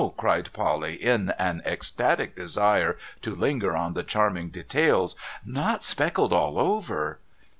cried Polly, in an ecstatic desire to linger on the charming details. ' Not speckled all over